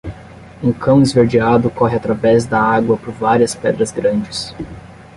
Um cão esverdeado corre através da água por várias pedras grandes.